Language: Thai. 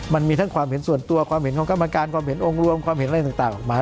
มันมีทั้งความเห็นส่วนตัวความเห็นของกรรมการความเห็นองค์รวมความเห็นอะไรต่างออกมา